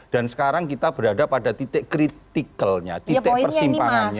dan sekarang kita berada pada titik criticalnya titik persimpangannya